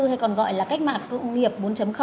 hay còn gọi là cách mạng công nghiệp bốn